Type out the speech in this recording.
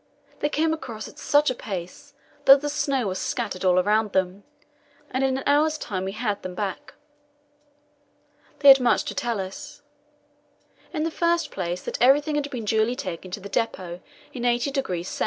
They came across at such a pace that the snow was scattered all round them, and in an hour's time we had them back. They had much to tell us. In the first place, that everything had been duly taken to the depot in 80°S.